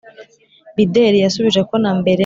bideri yasubije ko na mbere